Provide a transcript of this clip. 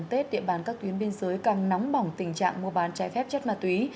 tết địa bàn các tuyến biên giới càng nóng bỏng tình trạng mua bán trái phép chất ma túy